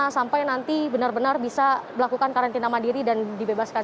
sampai nanti benar benar bisa melakukan karantina mandiri dan dibebaskan